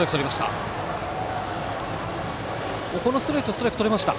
ストライクとれました。